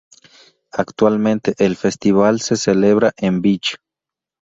Actualmente el Festival se celebra en Vich.